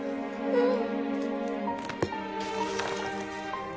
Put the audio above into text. うん